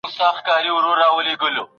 سپی ناجوړه سو او مړ سو ناګهانه